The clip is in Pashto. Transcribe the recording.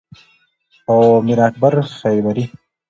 او میر اکبر خیبری